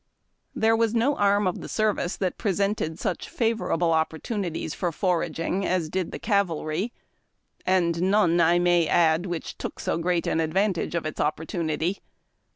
There was no arm of the service that presented sucli favor able opportunities for foraging as did the cavalry, and none, I may add, which took so great an advantage of its opportu nity.